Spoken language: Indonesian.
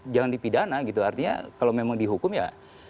jangan dipidana gitu artinya kalau memang dihukum ya